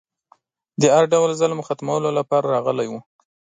د هر ډول ظلم ختمولو لپاره راغلی و